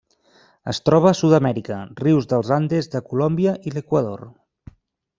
Es troba a Sud-amèrica: rius dels Andes de Colòmbia i l'Equador.